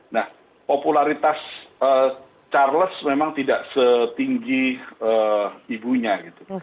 nah popularitas charles memang tidak setinggi ibunya gitu